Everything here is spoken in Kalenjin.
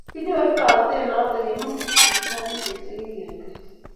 Kinyoru toretet noto yemitei sipitalishek che kikitech